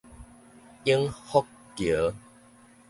永福橋